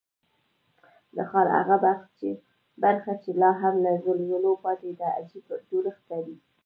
د ښار هغه برخه چې لا هم له زلزلو پاتې ده، عجیب جوړښت لري.